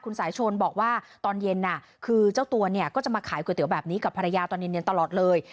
สายชนบอกว่าตอนเย็นคือเจ้าตัวเนี่ยก็จะมาขายก๋วยเตี๋ยวแบบนี้กับภรรยาตอนเย็นตลอดเลย